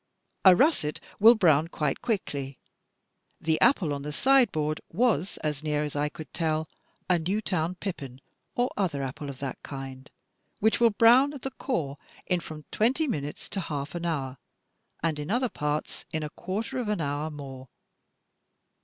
A russet will brown quite quickly. The apple on the sideboard was, as near as I could tell, a Newtown pippin or other apple of that kind, which will brown at the core in from twenty minutes to half an hour, and in other parts in a quarter of an hour more.